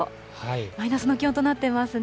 マイナスの気温となっていますね。